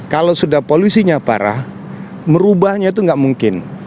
kalau sudah polusinya parah merubahnya itu nggak mungkin